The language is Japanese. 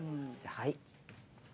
はい。